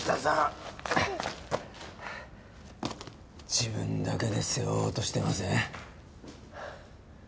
自分だけで背負おうとしてません？